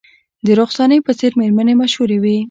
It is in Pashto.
د رخسانې په څیر میرمنې مشهورې وې